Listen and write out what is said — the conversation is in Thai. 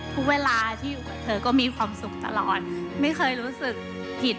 เขาบอกระดับสเต็มตัดเค้กซึ่งที